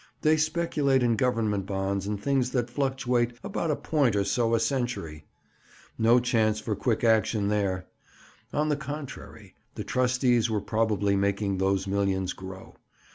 They speculate in government bonds and things that fluctuate about a point or so a century. No chance for quick action there! On the contrary, the trustees were probably making those millions grow.